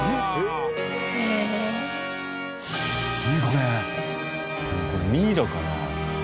これミイラかな？